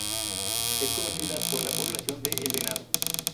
Es conocida por la población de El Venado.